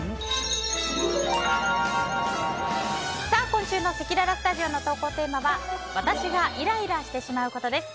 今週のせきららスタジオの投稿テーマは私がイライラしてしまうことです。